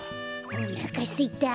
おなかすいた。